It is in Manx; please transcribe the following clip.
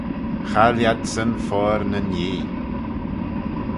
Chaill adsyn foayr nyn Yee.